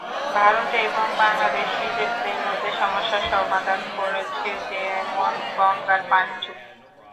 ভারত এবং বাংলাদেশ নিজেদের মধ্যে সমস্যা সমাধান করেছে, যেমন গঙ্গার পানিচুক্তি।